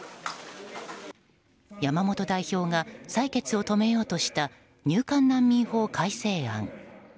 山本代表が採決を止めようとした入管難民法改正案。